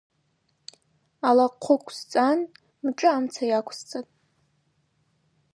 Алахъвы хъвсцӏан мшӏы амца йаквсцӏатӏ.